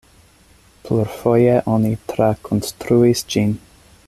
Plurfoje oni trakonstruis ĝin.